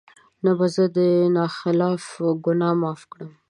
نه به زه د نا خلف ګناه معاف کړم